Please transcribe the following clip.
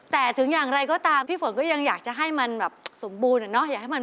แต่ถึงอย่างไรก็ตามพี่ฝนก็ยังอยากจะให้มันแบบสมบูรณ์อะเนาะ